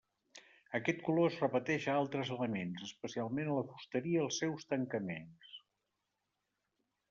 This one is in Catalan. Aquest color es repeteix a altres elements, especialment a la fusteria i els seus tancaments.